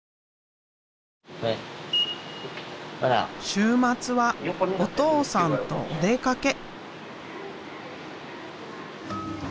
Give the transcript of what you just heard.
週末はお父さんとお出かけ。